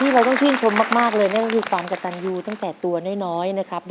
ไปลูกไปขอพูดสักคำได้ไหมครับ